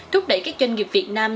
trúc đẩy các doanh nghiệp việt nam